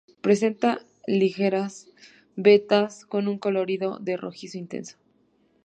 Presenta ligeras vetas con un colorido de rojizo intenso.